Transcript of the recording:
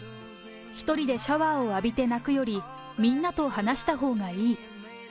１人でシャワーを浴びて泣くより、みんなと話したほうがいい。